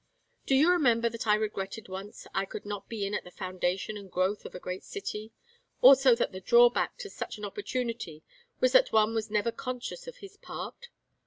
Do you remember that I regretted once I could not be in at the foundation and growth of a great city, also that the drawback to such an opportunity was that one was never conscious of his part?